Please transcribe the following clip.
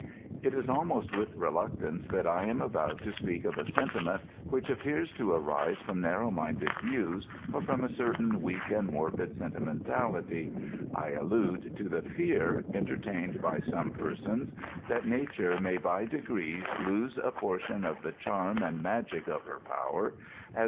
^ It is almost with reluctance that I am about to speak of a sentiment, which appears to arise from narrow minded views, or from a certain weak and morbid sentimentality — I allude to the /ear entertained by some persons, that nature may by degrees lose a portion of the charm and magic of her power, f INTRODUCTION.